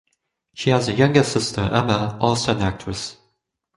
She has a younger sister, Emma, also an actress.